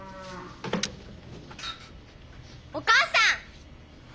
お母さん！